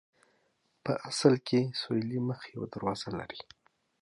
په اصل کې سویلي مخ یوه دروازه لري.